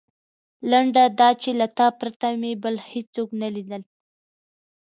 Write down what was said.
لنډه دا چې له تا پرته مې بل هېڅوک نه لیدل.